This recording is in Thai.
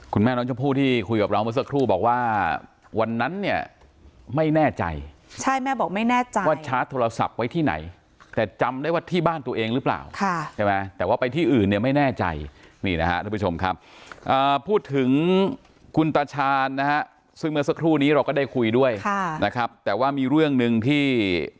คุณแม่น้องชมพู่ที่คุยกับเราเมื่อสักครู่บอกว่าวันนั้นเนี่ยไม่แน่ใจใช่แม่บอกไม่แน่ใจว่าชาร์จโทรศัพท์ไว้ที่ไหนแต่จำได้ว่าที่บ้านตัวเองหรือเปล่าใช่ไหมแต่ว่าไปที่อื่นเนี่ยไม่แน่ใจนี่นะฮะทุกผู้ชมครับพูดถึงคุณตาชาญนะฮะซึ่งเมื่อสักครู่นี้เราก็ได้คุยด้วยค่ะนะครับแต่ว่ามีเรื่องหนึ่งที่